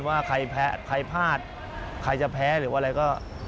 ว่าใครแพ้ใครพลาดใครจะแพ้หรืออะไรก็